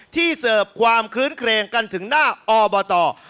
เสิร์ฟความคื้นเครงกันถึงหน้าอบต